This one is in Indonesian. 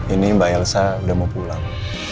ini mbak elsa udah mau pulang